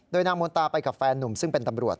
นางมนตาไปกับแฟนนุ่มซึ่งเป็นตำรวจ